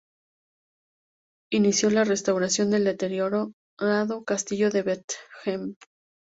Inició la restauración del deteriorado Castillo de Bentheim.